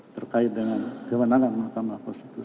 terkait dengan kewenangan mahkamah